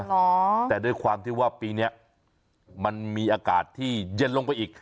เหรอแต่ด้วยความที่ว่าปีนี้มันมีอากาศที่เย็นลงไปอีก